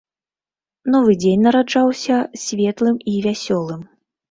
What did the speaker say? Новы дзень нараджаўся светлым і вясёлым.